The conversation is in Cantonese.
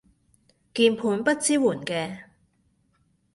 鍵盤不支援嘅